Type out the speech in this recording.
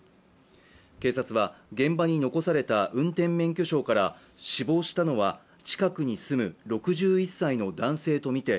警察は、現場に残された運転免許証から死亡したのは近くに住む６１歳の男性とみて